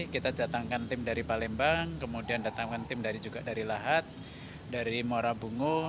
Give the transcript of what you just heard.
kita jatahkan tim dari palembang kemudian datangkan tim juga dari lahat dari morabungu